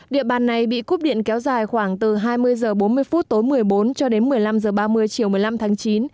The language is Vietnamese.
địa bàn này bị cúp điện kéo dài khoảng từ hai mươi h bốn mươi phút tối một mươi bốn cho đến một mươi năm h ba mươi chiều một mươi năm tháng chín